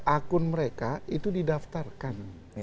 akun mereka itu didaftarkan